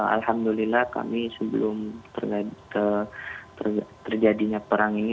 alhamdulillah kami sebelum terjadinya perang ini